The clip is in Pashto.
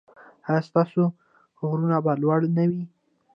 ایا ستاسو غرونه به لوړ نه وي؟